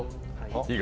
いいか？